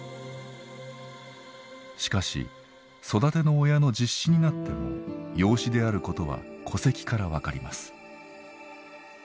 しかし育ての親の実子になっても養子であることは戸籍から分かります。